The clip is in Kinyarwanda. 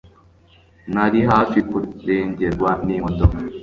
nari hafi kurengerwa n'imodoka